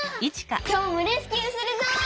きょうもレスキューするぞ！